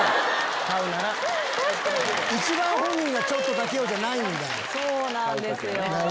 一番本人が「ちょっとだけよ」じゃないんだ。そうなんですよ。